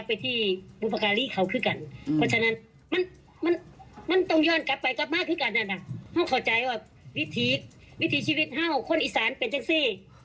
ชีวิตของคนอีสานไม่เห็นจังสิ